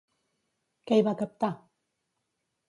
Què hi va captar?